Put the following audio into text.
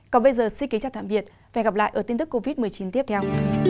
còn bây giờ xin kính chào tạm biệt và hẹn gặp lại ở tin tức covid một mươi chín tiếp theo